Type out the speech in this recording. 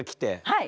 はい！